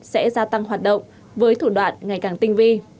sẽ gia tăng hoạt động với thủ đoạn ngày càng tinh vi